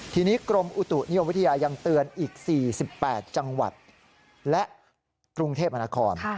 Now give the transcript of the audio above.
ทีนี้กรมอุตุนิยมวิทยายังเตือนอีก๔๘จังหวัดและกรุงเทพมหานคร